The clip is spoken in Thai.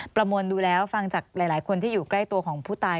ประมวลดูแล้วฟังจากหลายคนที่อยู่ใกล้ตัวของผู้ตาย